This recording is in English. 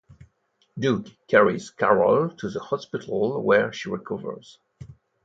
Doug carries Carol to the hospital where she recovers.